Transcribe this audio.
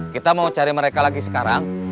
kita mau cari mereka lagi sekarang